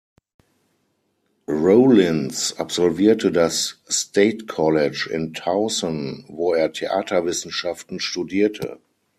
Rollins absolvierte das "State College" in Towson, wo er Theaterwissenschaften studierte.